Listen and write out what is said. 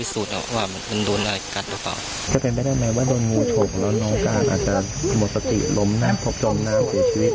แสดงไม่ได้มั้ยว่าโดนงูตกแล้วน้องการอาจจะหมดสติหลมน้ำผลบจมน้ำเสียชีวิต